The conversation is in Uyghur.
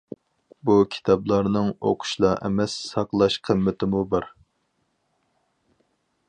بۇ كىتابلارنىڭ ئوقۇشلا ئەمەس، ساقلاش قىممىتىمۇ بار.